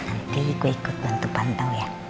nanti gue ikut bantu pantang ya